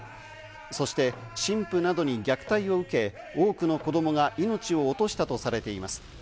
そして、神父などに虐待を受け、多くの子供が命を落としたとされています。